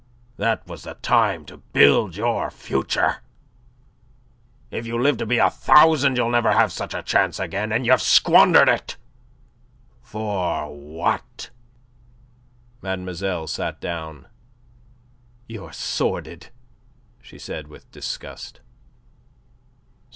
that was the time to build your future. If you live to be a thousand you'll never have such a chance again, and you've squandered it, for what?" Mademoiselle sat down. "You're sordid," she said, with disgust.